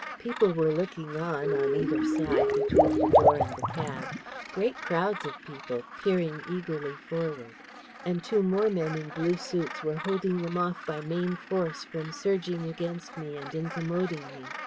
People were looking on, on either side, between the door and the cab great crowds of people, peering eagerly forward; and two more men in blue suits were holding them off by main force from surging against me and incommoding me.